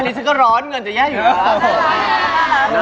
แค่นี้ซึ่งก็ร้อนเงินจะแย่อยู่ตรงนั้น